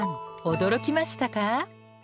驚きましたか？